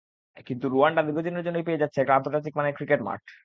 কিন্তু রুয়ান্ডা দীর্ঘদিনের জন্যই পেয়ে যাচ্ছে একটা আন্তর্জাতিক মানের ক্রিকেট মাঠ।